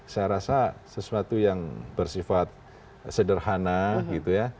saya rasa sesuatu yang bersifat sederhana gitu ya